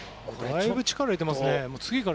だいぶ力を入れていますね。